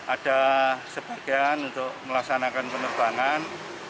ada sebagian untuk melaksanakan penerbangan